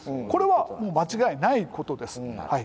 これはもう間違いないことです。